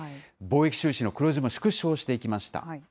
貿易収支の黒字も縮小していきました。